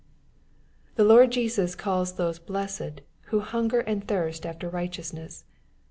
The Lord Jesus calls those blessed, who hunger and thirst after righteousness.